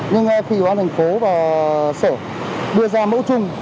nhưng khi ubnd tp và sở đưa ra mẫu chung